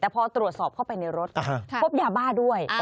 แต่พอตรวจสอบเข้าไปในรถพบยาบ้าด้วย